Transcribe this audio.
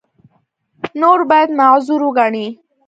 نور باید معذور وګڼي.